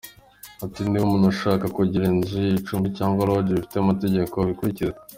Ati “Niba umuntu ashaka kugira inzu ye icumbi cyangwa Lodge bifite amategeko bikurikiza.